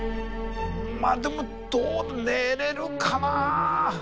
まあでもどう寝れるかな。